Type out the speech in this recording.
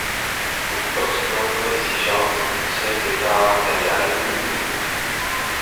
Kokovtsov siégea au Conseil d'État impérial.